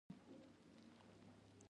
د غونډې لپاره ځای په نښه شوی و.